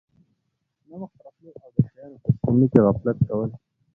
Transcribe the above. ناوخته راتلل او د شیانو په تسلیمۍ کي غفلت کول